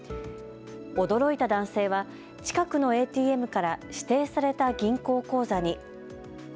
驚いた男性は近くのＡＴＭから指定された銀行口座に。